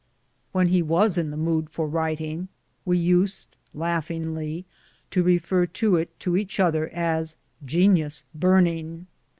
When he was in the mood for writing, we used laugh ingly to refer to it to each other as "genius burning."